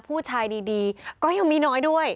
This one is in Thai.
ผู้ชายดีก็ยังมีน้อยด้วย